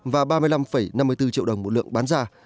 và ba mươi năm năm mươi bốn triệu đồng một lượng bán ra